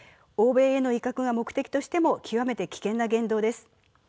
欧米の威嚇が目的としても極めて危険な言動です。